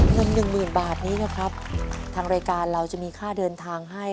หนึ่งหมื่นบาทนี้นะครับทางรายการเราจะมีค่าเดินทางให้